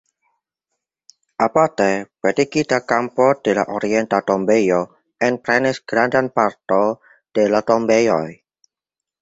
Aparte pretigita kampo de la orienta tombejo enprenis grandan parto de la tombejoj.